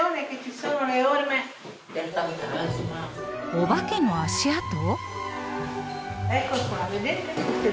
お化けの足跡？